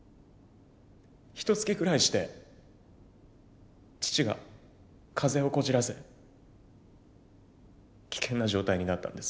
ひとつきぐらいして父が風邪をこじらせ危険な状態になったんです。